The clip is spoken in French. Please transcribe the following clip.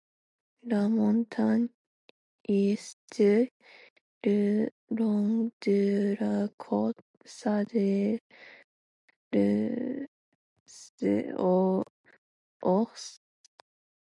La montagne est situé le long de la côte sud-est de l'île aux Ours.